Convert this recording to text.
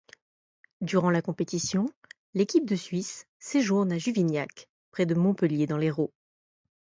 Durant la compétition, l'équipe de Suisse séjourne à Juvignac, près de Montpellier dans l'Hérault.